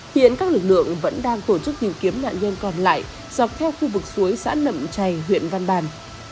hiện các lực lượng vẫn đang tổ chức tìm kiếm nạn nhân còn lại dọc theo khu vực suối xã nậm chày huyện văn bàn